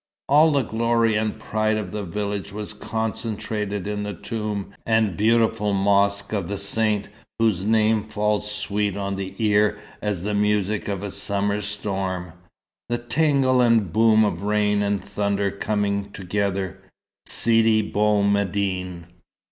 All the glory and pride of the village was concentrated in the tomb and beautiful mosque of the saint whose name falls sweet on the ear as the music of a summer storm, the tinkle and boom of rain and thunder coming together: Sidi Bou Medine.